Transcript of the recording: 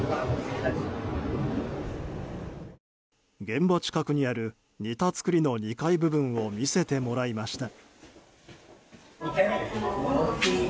現場近くにある、似た造りの２階部分を見せてもらいました。